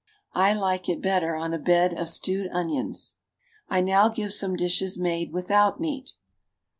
I like it better on a bed of stewed onions. I now give some dishes made without meat.